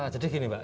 jadi gini mbak